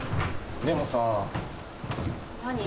でもさあ。